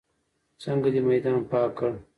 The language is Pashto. څنګه دې میدان پاک کړ.